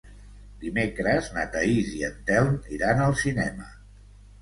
Dimecres na Thaís i en Telm iran al cinema.